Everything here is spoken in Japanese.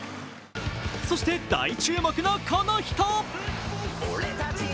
そして、大注目のこの人！